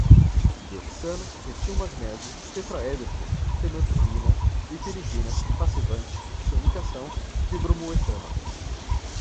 dioxano, metilmagnésio, tetraédrico, fenantrolina, bipiridina, passivante, sonicação, dibromoetano